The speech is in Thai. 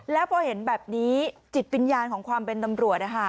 แล้วพอเห็นแบบนี้จิตวิญญาณของความเป็นตำรวจ